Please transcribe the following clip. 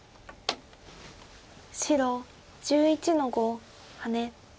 白１１の五ハネ。